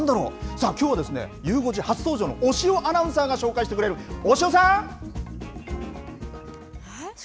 さあ、きょうはゆう５時初登場の押尾アナウンサーが紹介してくれる、押尾さん。